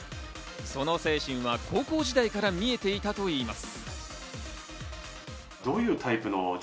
その精神は高校時代から見えていたといいます。